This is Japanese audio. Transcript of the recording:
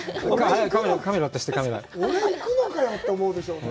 俺、行くのかよって思うでしょうね。